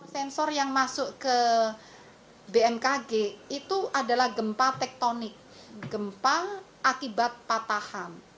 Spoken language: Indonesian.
sensor yang masuk ke bmkg itu adalah gempa tektonik gempa akibat patahan